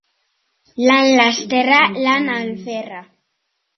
Lan lasterra, lan alferra.